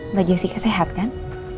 mbak jessica sehat kan